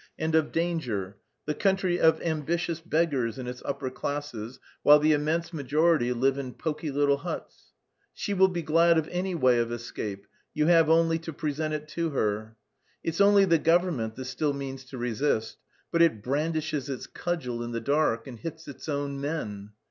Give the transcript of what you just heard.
and of danger, the country of ambitious beggars in its upper classes, while the immense majority live in poky little huts. She will be glad of any way of escape; you have only to present it to her. It's only the government that still means to resist, but it brandishes its cudgel in the dark and hits its own men.